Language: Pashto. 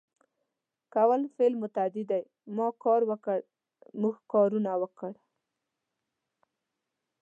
کول فعل متعدي دی ما کار وکړ ، موږ کارونه وکړ